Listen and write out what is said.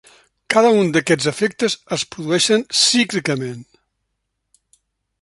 Cada un d'aquests efectes es produeixen cíclicament.